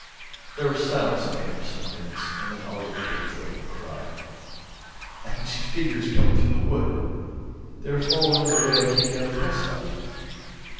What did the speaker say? There was silence again for some minutes, and then Ulrich gave a joyful cry. "I can see figures coming through the wood. They are following in the way I came down the hillside."